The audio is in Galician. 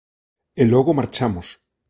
E logo marchamos.